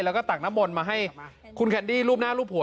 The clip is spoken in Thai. แล้วก็ตักน้ำมนต์มาให้คุณแคนดี้รูปหน้ารูปหัว